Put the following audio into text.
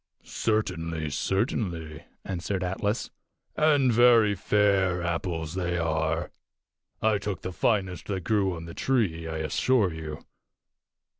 "Certainly, certainly," answered Atlas, "and very fair apples they are. I took the finest that grew on the tree, I assure you.